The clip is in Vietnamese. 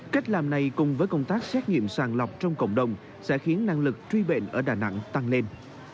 cách làm này cùng với công tác xét nghiệm sàng lọc trong cộng đồng sẽ khiến năng lực truy bệnh ở đà nẵng tăng lên